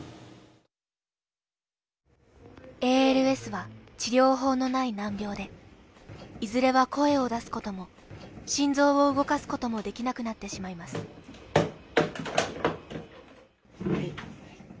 ＡＬＳは治療法のない難病でいずれは声を出すことも心臓を動かすこともできなくなってしまいますはい。